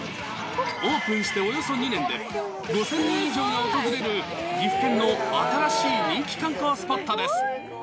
オープンしておよそ２年で、５０００人以上が訪れる、岐阜県の新しい人気観光スポットです。